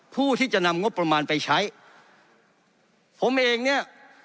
ผู้ที่จะนำงบประมาณไปใช้ผมเองเนี่ย